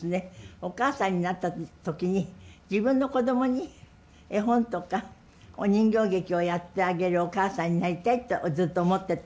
お母さんになった時に自分のこどもに絵本とかお人形劇をやってあげるお母さんになりたいとずっと思ってて。